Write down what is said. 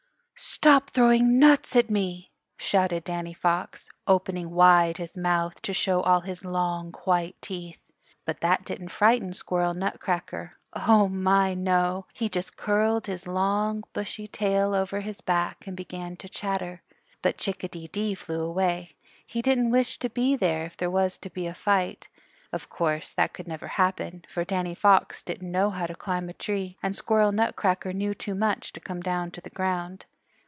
"Stop throwing nuts at me!" shouted Danny Fox, opening wide his mouth to show all his long, white teeth. But that didn't frighten Squirrel Nutcracker. Oh, my no! He just curled his long, bushy tail over his back and began to chatter. But Chick a dee dee flew away. He didn't wish to be there if there was to be a fight. Of course that could never happen, for Danny Fox didn't know how to climb a tree and Squirrel Nutcracker knew too much to come down to the ground.